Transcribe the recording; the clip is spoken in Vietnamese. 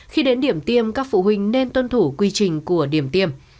khi đến điểm tiêm các phụ huynh nên tuân thủ quy trình của điểm tiêm